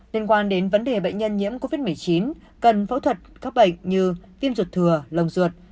liên quan đến vấn đề bệnh nhân nhiễm covid một mươi chín cần phẫu thuật các bệnh như tim ruột thừa lồng ruột